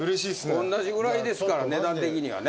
おんなじぐらいですから値段的にはね。